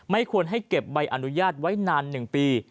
ควรให้เก็บใบอนุญาตไว้นาน๑ปี